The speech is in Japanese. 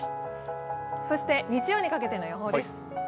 そして日曜にかけての予想です。